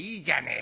え？